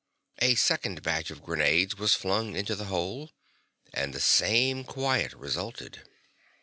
A second batch of grenades was flung into the hole, and the same quiet resulted.